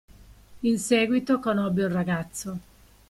In seguito, conobbe un ragazzo.